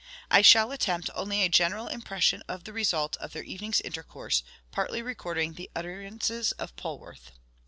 I shall attempt only a general impression of the result of their evening's intercourse, partly recording the utterances of Polwarth.